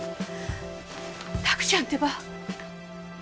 拓ちゃんってば。